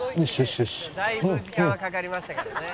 「だいぶ時間はかかりましたけどね」